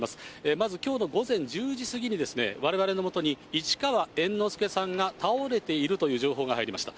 まずきょうの午前１０時過ぎに、われわれのもとに市川猿之助さんが倒れているという情報が入りました。